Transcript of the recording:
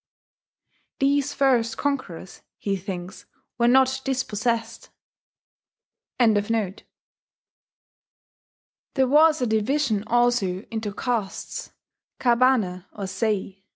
These first conquerors, he thinks, were not dispossessed.] There was a division also into castes kabane or sei.